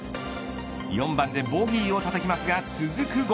４番でボギーをたたきますが続く